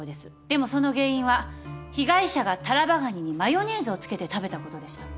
でもその原因は被害者がタラバガニにマヨネーズをつけて食べたことでした。